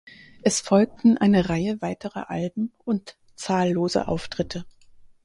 Es folgten eine Reihe weiterer Alben und zahllose Auftritte.